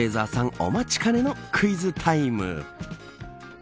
お待ちかねのクイズタイム。